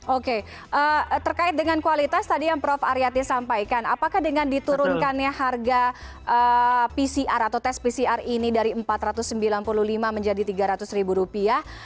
oke terkait dengan kualitas tadi yang prof aryati sampaikan apakah dengan diturunkannya harga pcr atau tes pcr ini dari empat ratus sembilan puluh lima menjadi tiga ratus ribu rupiah